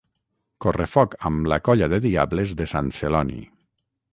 Correfoc amb la colla de Diables de Sant Celoni